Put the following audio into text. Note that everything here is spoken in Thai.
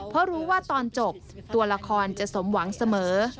เพราะรู้ว่าตอนจบตัวละครจะสมหวังเสมอ